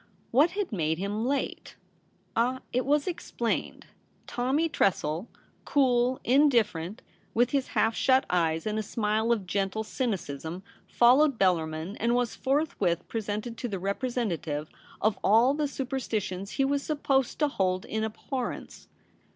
What had made him late ? Ah, it was explained ; Tommy Tressel, cool, indifferent, with his half shut eyes and smile of gentle cynicism, followed Bellarmin, and was forthwith presented to the representative of all the superstitions he was supposed to hold in abhorrence.